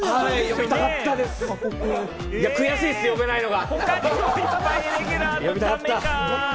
悔しいっす、呼べないのが。